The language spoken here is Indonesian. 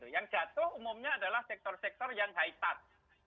yang jatuh umumnya adalah sektor sektor yang high touch